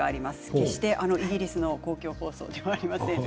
決してイギリスの公共放送ではありません。